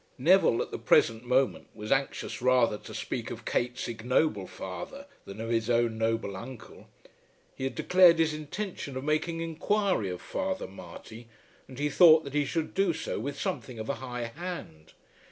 Neville at the present moment was anxious rather to speak of Kate's ignoble father than of his own noble uncle. He had declared his intention of making inquiry of Father Marty, and he thought that he should do so with something of a high hand.